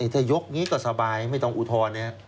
ถ้ายกก็สบายไม่ต้องอุทธรณ์